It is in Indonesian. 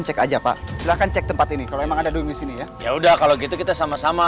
cek aja pak silahkan cek tempat ini kalau emang ada dulu di sini ya yaudah kalau gitu kita sama sama